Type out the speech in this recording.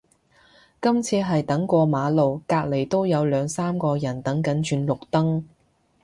今次係等過馬路，隔離都有兩三個人等緊轉綠燈